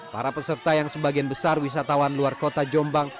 para peserta yang sebagian besar wisatawan luar kota jombang